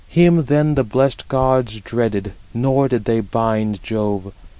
Him then the blessed gods dreaded, nor did they bind [Jove].